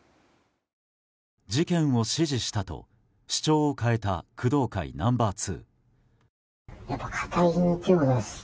事件を指示したと主張を変えた工藤会ナンバー２。